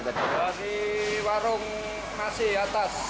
di warung masih atas